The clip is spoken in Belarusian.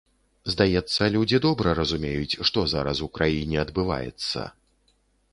Здаецца, людзі добра разумеюць, што зараз у краіне адбываецца.